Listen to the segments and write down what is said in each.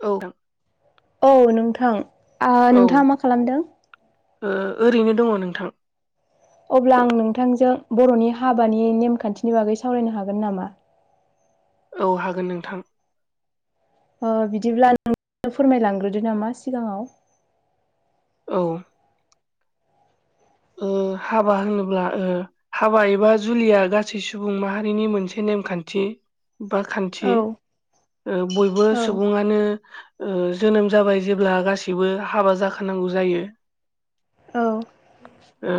औ। औ नोंथां, आ औ नोंथाङा मा खालामदों? ओ ओरैनो दङ' नोंथां। अब्ला आं नोंथांजों बर'नि हाबानि नेमखान्थिनि बागै सावरायनो हागोन नामा? औ हागोन नोंथां। अह बिदिब्ला [unintelligible] फोरमायलांग्रोदो नामा सिगाङाव? औ। उम हाबा होनोब्ला ओ हाबा एबा जुलिया गासै सुबुं माहारिनि मोनसे नेमखान्थि बा खान थि। औ ओ बयबो औ सुबुङानो ओ जोनोम जाबाय जेब्ला गासिबो हाबा जाखानांगौ जायो। औ। ओ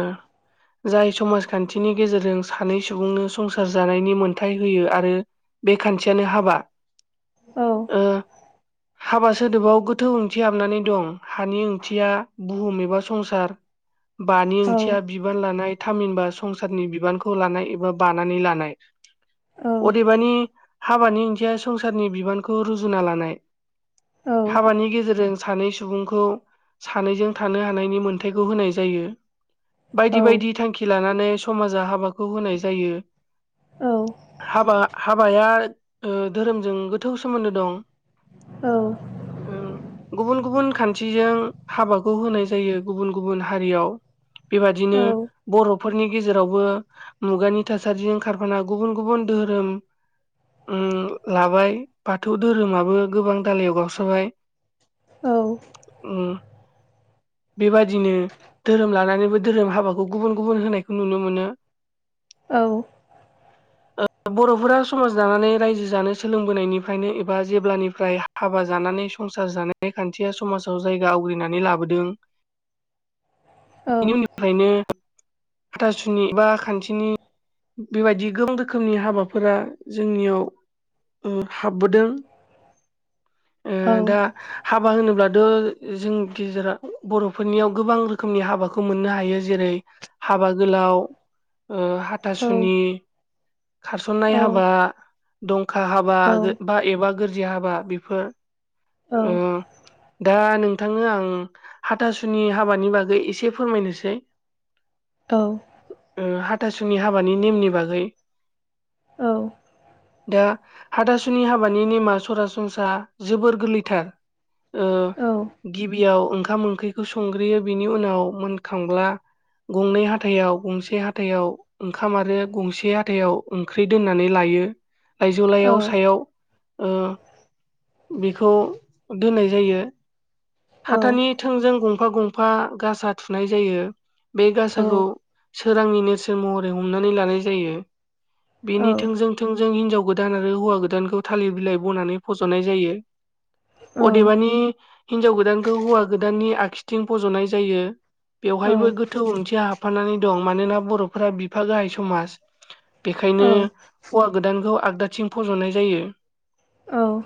जाय समाजखान्थिनि गेजेरजों सानै सुबुंनो संसार जानायनि मोनथाय होयो आरो बे खान्थियानो हाबा। औ ओ हाबा सोदोबाव गोथौ ओंथि हाबनानै दं। हानि ओंथिया बुहुम एबा संसार बानि औ ओंथिया बिबान लानाय। थामहिनबा संसारनि बिबानखौ लानाय एबा बानानै लानाय। औ अदेबानि हाबानि ओंथिया संसारनि बिबानखौ रुजुनना लानाय। हाबानि गेजेरजों सानै सुबुंखौ सानैजों थानो हानायनि मोनथायखौ होनाय जायो। औ बायदि बायदि थांखि लानानै समाजा हाबा खौ होनाय जायो। औ हाबा-हाबाया ओ धोरोमजों गोथौ सोमोन्दो दं। औ। औ ओं गुबुन गुबुन खान्थिजों हाबाखौ होनाय जायो। गुबुन गुबुन हारियाव। बेबादिनो औ औ औ बर' फोरनि गेजेरावबो मुगानि थासारिजों खारफाना गुबुन गुबुन धोहोरोम उम लाबाय। बाथौ धोरोमाबो गोबां दालायाव गावस्राबाय। औ उहम। बेबादिनो धोरोम लानानैबो धोरोम हाबाखौ गुबुन गुबुन होनायखौ नुनो मोनो। औ। ओ बर'फोरा समाज दानानै रायजो जानो सोलोंबोनायनिफ्रायनो एबा जेब्लानिफ्राय हा हाबा जानानै संसार जानाय खान्थिया समाजाव जायगा आवग्रिनानै लाबोदों। बेनि उननिफ्रायनो हाथासुनि बा खान्थिनि बेबायदि गोबां रोखोमनि हाबाफोरा जोंनियाव उम हाबबोदों। ओ दा हाबा होनोब्लाथ' जों गेजेराव बर'फोरनियाव गोबां रोखोमनि हाबाखौ मोननो हायो। जेरै हाबा गोलाव ओ हाथासुनि, खारसन्नाय हाबा, दंखा हाबा, गो बा एबा गोरजिया हाबा बेफोर औ ओ दा नोंथांनो आं हाथासुनि हाबानि बागै एसे फोरमायनोसै औ हाथासुनि हाबानि नेमनि बागै औ दा हाथासुनि हाबानि नेमा सरासनस्रा जोबोर गोरलैथार। ओ गिबियाव ओंखाम ओंख्रिखौ संग्रोयो बिनि उनाव मोनखांब्ला गंनै हाथायाव गंसे हाथायाव ओंखाम आरो गंसे हाथायाव ओंख्रि दोननानै लायो। लाइजौ लाइयाव सायाव बेखौ दोननाय जायो हाथानि थोंजों गंफा गं फा गासा थुनाय जायो बे गासाखौ सोरांनि नेरसोन महरै हमनानै लानाय जायो। बेनि थोंजों थोंजों हिनजाव गोदान आरो हौवा गोदानखौ थालिर बिलाइ बनानै फज'नाय जायो। अदेबानि हिनजाव गोदानखौ हौवा गोदाननि आखिथिं फज'नाय जायो। बेवहायबो गोथौ ओंथिया हाबफानानै दं मानोना बर'फोरा बिफा गाहाय समाज बेखायनो हौवा गोदानखौ आगदाथिं फज'नाय जायो। औ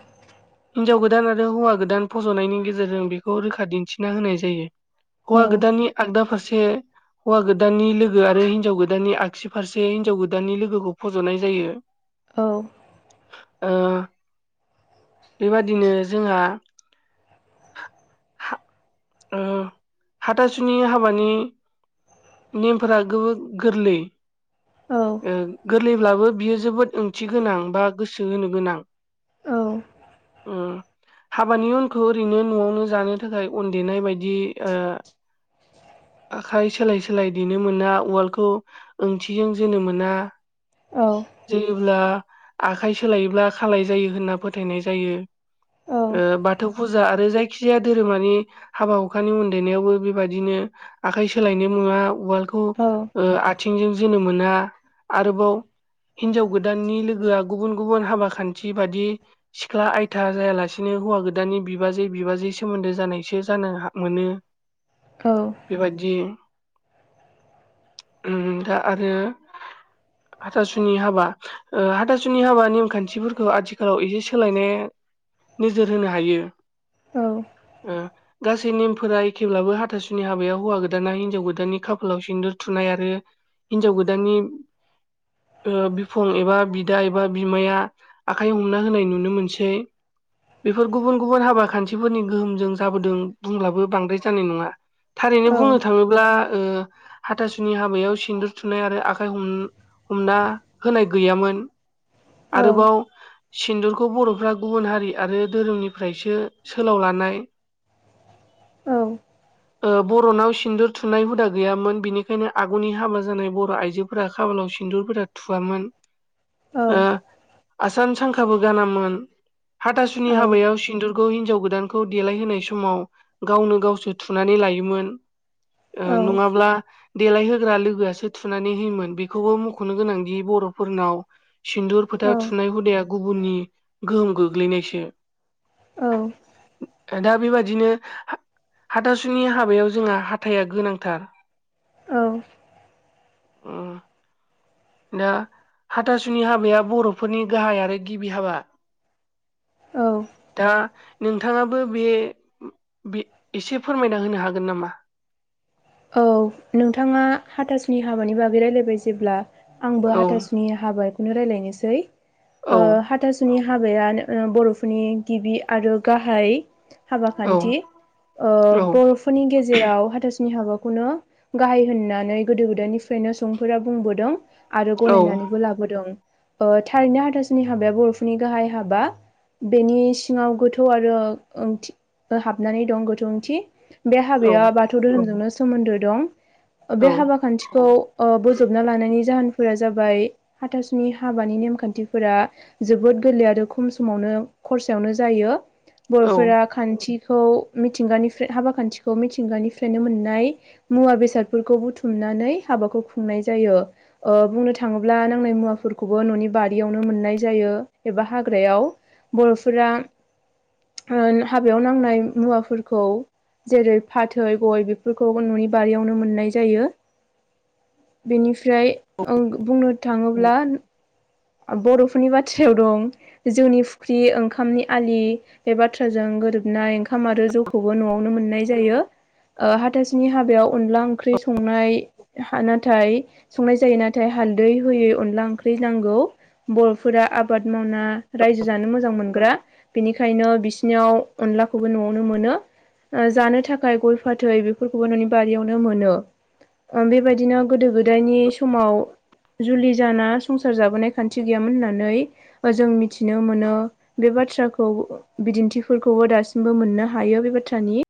हिनजाव गोदान आरो हौवा गोदान फसंनायनि गेजेरजों बेखौ रोखा दिन्थिना होनाय जायो। औ हौवा गोदाननि आगदा फारसे हौवा गोदाननि लोगो आरो हिनजाव गोदाननि आगसि फारसे हिनजाव गोदाननि लोगोखौ फज'नाय जायो। औ बेबादिनो जोंहा ओं हाथासुनि हाबानि नेमफोरा गो-गोरलै ओ गोर गोरलैब्लाबो बियो जोबोद ओंथि गोनां बा गोसो होनो गोनां। औ उम हाबानि उनखौ ओरैनो न'आवनो जानो थाखाय देनाय बायदि ओ आखाय सोलाय सोलाय देनो मोना उवालखौ आथिंजों जोनो मोना औ जोयोब्ला आखाइ सोलायोब्ला खालाय जायो होनना फोथायनाय जायो। बाथौ फुजा आरो जायखिजाया धोरोमानि हाबा हुखानि उन देनायावबो बेबायदिनो आखाइ सोलायनो मुवा उवालखौ ओ आथिंजों जोनो मोना आरोबाव हिनजाव गोदाननि लोगोआ गुबुन गुबुन हाबा खान्थि बादि सिख्ला आयथा जायालासिनो हौवा गोदानानि बिबाजै बिबाजै सोमोन्दो जानायसो जानो मोनो। औ बेबायाददि दा आरो हाथासुनि हाबा हाथासुनि हाबा नेमखान्थिफोरखौ आथिखालाव एसे सोलायनाय नोजोर होनो हायो। औ [inaudible] गासै नेमफोरा एखेब्लाबो हाथासुनि हाबायाव हौवा गोदाना हिन्जाव गोदाननि खाफालाव सिन्दुर थुनाय आरो हिनजाव गोदाननि बिफां एबा बिदा एबा बिमाया आखाइ हमना होनाय नुनो मोनसै। बेफोर गुबुन गुबुन हाबा खान्थिफोरनि गोहोमजों जाबोदों। बुंब्लाबो बांद्राय जानाय नङा थारैनो बुंनो थाङो ब्ला ओ हाथासुनि हाबायाव सिन्दुर थुनाय आरो आखाइ हम हमना होनाय गैयामोन आरोबाव सिन्दुरखौ बर'फ्रा गुबुन हारि आरो धोरोमनिफ्रायसो सोलाव लानाय औ ओ बर'नाव सिन्दुर थुनाय हुदा गैयामोन बिनिखायनो आगुनि हाबा जानाय बर' आइजो फोरा खाफालाव सिन्दुरफोरा थुवामोन [inaudible] ओ आसान सांखाबो गानामोन हाथासुनि हाबायाव सिन्दुर गौ हिनजाव गोदानखौ देलायहोनाय समाव गावनो गावसो थुनानै लायोमोन। ओ नङाब्ला देलाय होग्रा लोगोआसो थुनानै होयोमोन बेखौबो मख'नो गोनांदि बर'फोरनाव सिन्दुर फोथा थुनाय हुदाया गुबुननि गोहोम गोग्लैनायसो औ दा बेबादिनो हा-हाथासुनि हाबायाव जोंहा हाथाया गोनांथार। दा हाथासुनि हाबाया बर'फोरनि गाहाय आरो गिबि हाबा। दा नोंथाङाबो बे बि एसे फोरमायना होनो हागोन नामा? औ नोंथाङा हाथासुनि हाबानि बागै रायलायबाय जेब्ला आंबो औ हाथासुनि हाबाखौनो रायलायनोसै ओ औ हाथासु नि हाबायानो ओ बर'फोरनि गिबि आरो गाहाय हाबा औ खान्थि ओ औ बर'फोरनि गेजेराव हाथासुनि हाबा खौनो गाहाय होननानै गोदो गोदायनिफ्रायनो सुबुंफोरा बुंबोदों आरो औ गनायनानैबो लाबोदों ओ थारैनो हाथासुनि हाबाया बर'फोरनि गाहाय हाबा बेनि सिङाव गोथौ आरो ओंथि हाबनानै दं गोथौ ओंथि बे औ हाबाया बाथौ धोरोमजोंनो सोमोन्दो दं ओ बे औ हाबा खान्थिखौ ओ बोजबना लानायनि जाहोनफोरा जाबाय हाथासुनि हाबानि नेमखान्थिफोरा जोबोद गोरलै आरो खम समावनो खरसायावनो जायो। औ बर'फोरा खान्थिखौ मिथिंगानिफ्राय हाबा खान्थिखौ मिथिंगानिफ्रायनो मोननाय मुवा बेसादफोरखौ बुथुमनानै हाबाखौ खुंनाय जायो। ओ बुंनो थाङोब्ला नांनाय मुवाफोरखौबो न'नि बारियावनो मोननाय जायो एबा हाग्रायाव बर'फोरा ओ हाबायाव नांनाय मुवाफोरखौ जेरै- फाथै गय बेफोर खौ न'नि बारियावनो मोननाय जायो बेनिफ्राय ओं बुंनो थाङोब्ला ओ बर'फोरनि बाथ्रायाव दं जौनि फुख्रि ओंखामनि आलि बे बाथ्राजों गोरोबनाय ओंखाम आरो जौखौबो न'आवनो मोननाय जायो। ओ हाथासुनि हाबायाव अनला ओंख्रै संनाय हा नाथाय संनाय जायो नाथाय हालदै होयै अनला ओंख्रै नांगौ। बर'फोरा आबाद मावना रायजो जानो मोजां मोनग्रा बेनिखायनो बिसिनियाव अनलाखौबो न'आवनो मोनो। ओ जानो थाखाय गय फाथै बेफोरखौबो न'नि बारियावनो मोनो। ओं बेबायदिनो गोदो गोदायनि समाव जुलि जाना संसार जाबोनाय खान्थि गैयामोन होननानै ओ जों मिथिनो मोनो। बे बाथ्राखौ बिदिन्थिफोरखौबो दासिमबो मोननो हायो बे बाथ्रानि